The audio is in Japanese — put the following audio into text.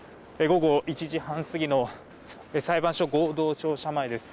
午後１時半過ぎの裁判所合同庁舎前です。